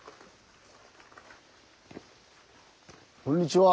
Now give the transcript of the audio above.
こんにちは。